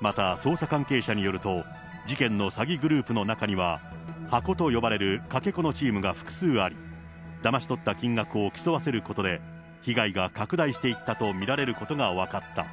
また、捜査関係者によると、事件の詐欺グループの中には、箱と呼ばれるかけ子のチームが複数あり、だまし取った金額を競わせることで、被害が拡大していったと見られることが分かった。